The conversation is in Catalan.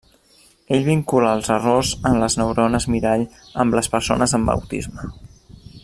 Ell vincula els errors en les neurones mirall amb les persones amb autisme.